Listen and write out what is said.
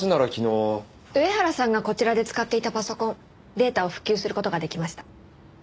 上原さんがこちらで使っていたパソコンデータを復旧する事ができました。